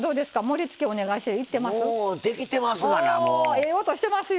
ええ音してますよ。